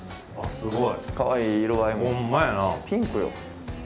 すごい。